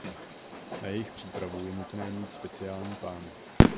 Na jejich přípravu je nutné mít speciální pánev.